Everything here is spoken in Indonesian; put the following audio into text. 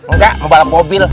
enggak mau balik mobil